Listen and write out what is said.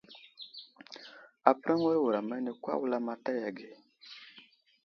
Apəraŋwaro wuram ane kwa wulamataya age.